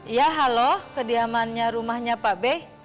ya halo kediamannya rumahnya pak b